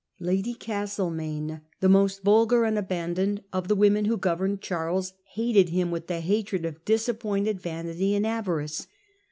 Lady Castlemaine, the most vulgar and abandoned of the women who governed Charles, hated him with the hatred of disappointed vanity and avarice.